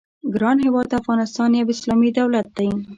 ګران هېواد افغانستان یو اسلامي دولت دی.